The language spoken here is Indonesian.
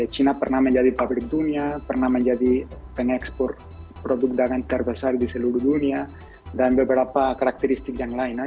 china pernah menjadi public dunia pernah menjadi pengekspor produk dagangan terbesar di seluruh dunia dan beberapa karakteristik yang lainnya